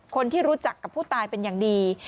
คนที่รู้จักกับผู้ตายเป็นอย่างดี